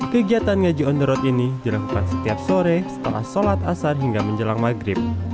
kegiatan ngaji on the road ini dilakukan setiap sore setelah sholat asar hingga menjelang maghrib